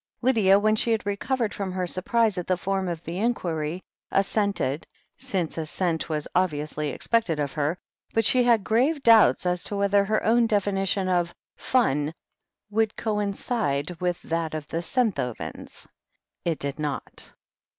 Lydia, when she had recovered from her surprise at the form of the inquiry, assented, since assent was obviously expected of her, but she had grave doubts as to whether her own definition of "fun'" would coincide with that of the Senthovens. It did not.